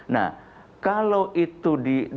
nah kalau itu di